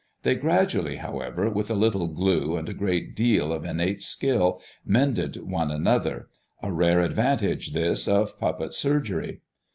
They gradually, however, with a little glue and a great deal of innate skill, mended one another, a rare advantage, this, of puppet surgery.